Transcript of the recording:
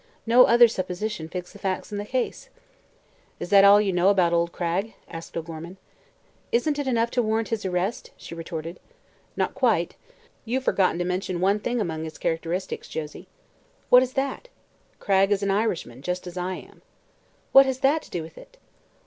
No other supposition fits the facts in the case." "Is that all you know about old Cragg?" asked O'Gorman. "Isn't it enough to warrant his arrest?" she retorted. "Not quite. You've forgotten to mention one thing among his characteristics, Josie." "What is that?" "Cragg is an Irishman just as I am." "What has that to do with it?"